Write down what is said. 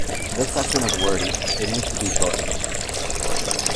This section is wordy, it needs to be shortened.